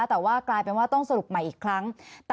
แต่ว่ากลายเป็นว่าต้องสรุปใหม่อีกครั้ง